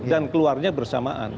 dan keluarnya bersamaan